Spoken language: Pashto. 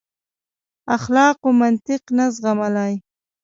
اخلاقو منطق نه زغملای.